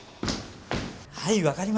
はいわかりました。